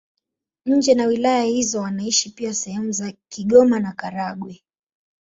Nje na wilaya hizo wanaishi pia sehemu za Kigoma na Karagwe.